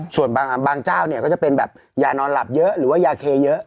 ส่วนบางเจ้าเนี่ยก็จะเป็นแบบยานอนหลับเยอะหรือว่ายาเคเยอะ